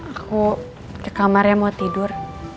aku ke kamarnya mau tidur